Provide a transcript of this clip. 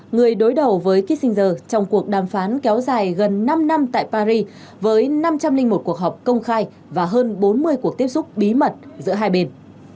người đối đầu với kissinger trong cuộc đàm phán kéo dài gần năm năm tại paris với năm trăm linh một cuộc họp công khai và hơn bốn mươi cuộc tiếp xúc bí mật giữa hai bên